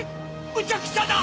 「むちゃくちゃだ」